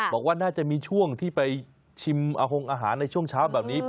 บอกว่าน่าจะมีช่วงที่ไปชิมอาหารในช่วงเช้าแบบนี้